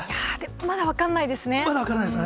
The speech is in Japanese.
まだ分からないですかね。